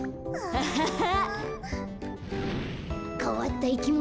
アハハ。